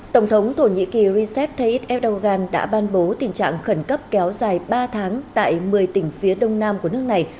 tổng thống thổ nhĩ kỳ recep tayyip erdogan đã ban bố tình trạng khẩn cấp kéo dài ba tháng tại một mươi tỉnh phía đông nam của nước này